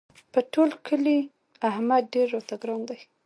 په ټول کلي احمد ډېر راته ګران دی.